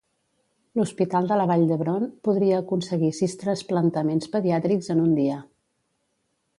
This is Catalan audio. L'Hospital de la Vall d'Hebron podria aconseguir sis trasplantaments pediàtrics en un dia.